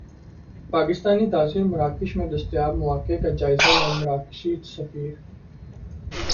پاکستانی تاجر مراکش میں دستیاب مواقع کا جائزہ لیں مراکشی سفیر